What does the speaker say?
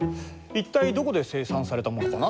一体どこで生産されたものかな？